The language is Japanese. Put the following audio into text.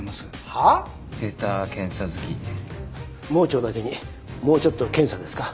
盲腸だけにもうちょっと検査ですか？